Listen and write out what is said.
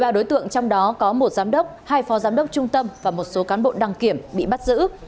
một mươi ba đối tượng trong đó có một giám đốc hai phò giám đốc trung tâm và một số cán bộ đăng kiểm bị bắt giữ